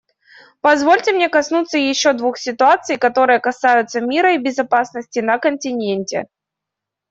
Позвольте мне коснуться еще двух ситуаций, которые касаются мира и безопасности на континенте.